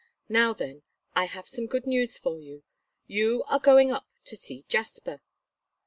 "Now then, I have some good news for you. You are to go up to see Jasper!"